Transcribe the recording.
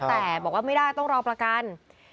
แต่บอกว่าไม่ได้ต้องรอประกัน